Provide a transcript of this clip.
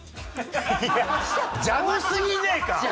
いやジャブすぎねえか？